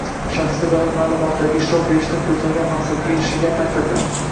shaxsga doir ma’lumotlarga ishlov berishdan ko‘zlangan maqsadga erishilgan taqdirda